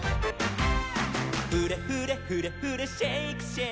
「フレフレフレフレシェイクシェイク」